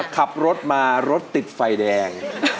ขับรถมารถติดไฟแดง